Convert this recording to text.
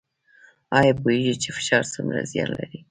ایا پوهیږئ چې فشار څومره زیان لري؟